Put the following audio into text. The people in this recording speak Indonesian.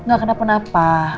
gak ada apa apa